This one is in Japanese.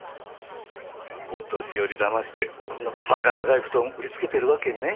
お年寄りだましてこんな馬鹿高い布団売りつけてるわけね。